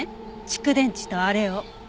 蓄電池とあれを。